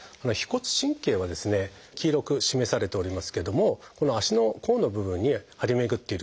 腓骨神経はですね黄色く示されておりますけどもこの足の甲の部分に張り巡っている神経なんですね。